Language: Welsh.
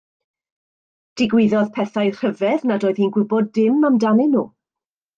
Digwyddodd pethau rhyfedd nad oedd hi'n gwybod dim amdanyn nhw.